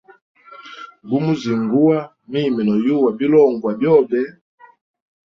Gumu zinguwa, mimi noyuwa bilongwa byobe.